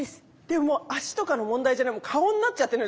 でも足とかの問題じゃない。